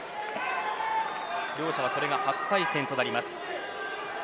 両者はこれが初対戦となります。